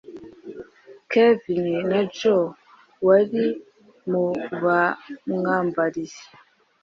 Kevin na Joe wari mu bamwambariye